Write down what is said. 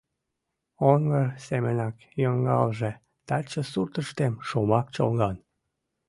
Оҥгыр семынак йоҥгалже таче суртыштем шомак чолган.